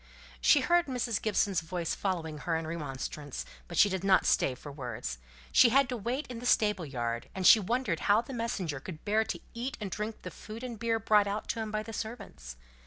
She heard Mrs. Gibson's voice following her in remonstrance, but she did not stay for words. She had to wait in the stable yard, and she wondered how the messenger could bear to eat and drink the food and beer brought out to him by the servants.